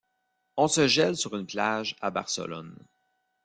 On se gèle sur une plage, à Barcelone.